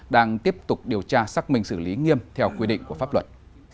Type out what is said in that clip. đang tiếp tục điều tra xác minh xử lý nghiêm theo quy định của pháp luật